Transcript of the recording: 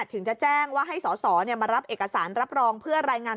ถึงจะแจ้งว่าให้สอสอมารับเอกสารรับรองเพื่อรายงาน